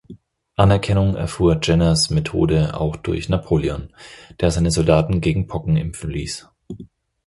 Anerkennung erfuhr Jenners Methode auch durch Napoleon, der seine Soldaten gegen Pocken impfen ließ.